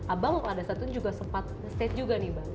abang kalau ada satunya juga sempat nge state juga nih bang